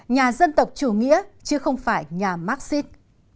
nhà dân tộc chủ nghĩa chứ không phải nhà marxist